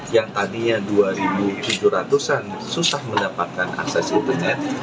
yang tadinya dua tujuh ratus an susah mendapatkan akses internet